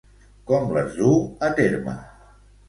Com les duu a terme?